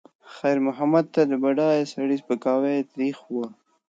خیر محمد ته د بډایه سړي سپکاوی تریخ و.